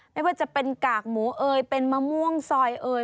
ไม่ว่าจะเป็นกากหมูเอ่ยเป็นมะม่วงซอยเอ่ย